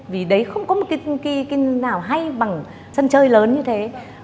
vì đấy không có cái nào hay bằng chân chơi lớn như thế